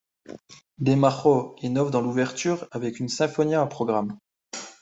De Majo innove dans l'ouverture avec une sinfonia à programme.